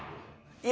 いや。